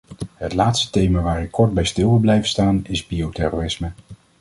Het laatste thema waar ik kort bij stil wil blijven staan is bioterrorisme.